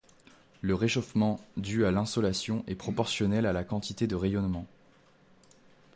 Le réchauffement dû à l'insolation est proportionnel à la quantité de rayonnement.